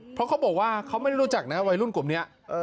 เพราะเขาบอกว่าเขาไม่รู้จักนะครับวัยรุ่นกลุ่มเนี่ย